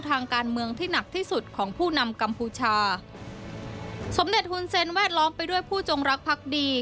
ทางการเมืองที่หนักที่สุดของผู้นำกัมพูชาสมเด็จหุ่นเซ็นแวดล้อมไปด้วยผู้จงรักพักดี